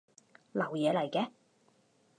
流嘢嚟嘅